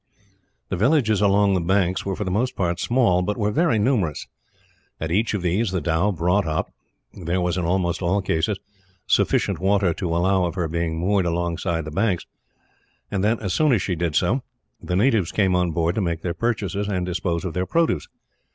The villages along the banks were for the most part small, but were very numerous. At each of these the dhow brought up. There was, in almost all cases, sufficient water to allow of her being moored alongside the banks and, as soon as she did so, the natives came on board to make their purchases and dispose of their produce.